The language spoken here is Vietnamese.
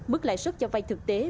mức lãi suất do vay thực tế